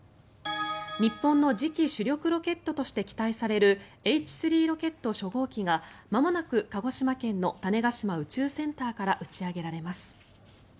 日本の次期主力ロケットとして期待されるＨ３ロケット初号機がまもなく鹿児島県の種子島宇宙センターから打ち上げられます。